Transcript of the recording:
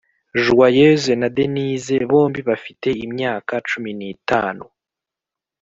joyeuse na denyse bombi bafite imyaka cumi n’itanu,